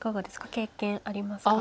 経験ありますか。